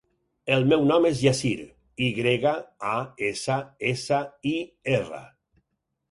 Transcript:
El meu nom és Yassir: i grega, a, essa, essa, i, erra.